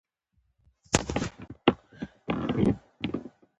په ډېرو برخو کې مهاجرین ډېر غریب دي